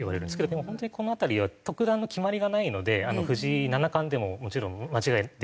でも本当にこの辺りは特段の決まりがないので「藤井七冠」でももちろん間違いではないですし。